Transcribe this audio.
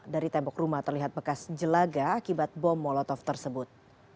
dari tembok rumah terlihat bekas jelaga akibat bom molotov tersebut